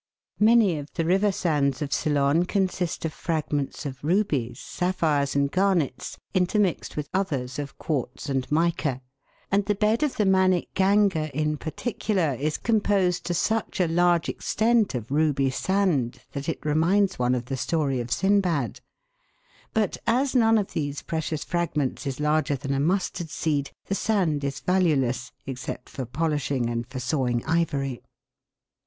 Many of the river sands of Ceylon consist of fragments of rubies, sapphires, and garnets, intermixed with others of quartz and mica ; and the bed of the Manickganga in par ticular is composed to such a large extent of ruby sand that it reminds one of the story of Sindbad } but, as none of these precious fragments is larger than a mustard seed, the sand is valueless except for polishing and for sawing ivory.